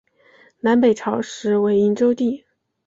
南北朝时为营州地。